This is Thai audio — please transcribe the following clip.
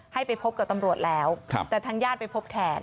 ให้ไปพบกับตำรวจแล้วแต่ทางญาติไปพบแทน